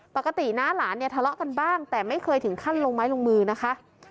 ปกติน้าหลานเนี่ยทะเลาะกันบ้างแต่ไม่เคยถึงขั้นลงไม้ลงมือนะคะ